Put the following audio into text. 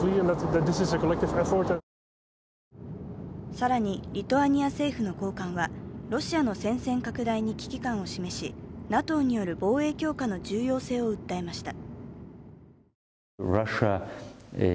更に、リトアニア政府の高官はロシアの戦線拡大に危機感を示し、ＮＡＴＯによる防衛強化の重要性を訴えました。